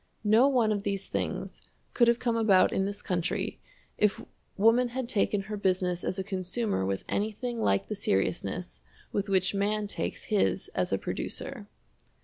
No one of these things could have come about in this country if woman had taken her business as a consumer with anything like the seriousness with which man takes his as a producer.